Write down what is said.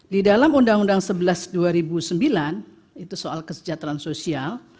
di dalam undang undang sebelas dua ribu sembilan itu soal kesejahteraan sosial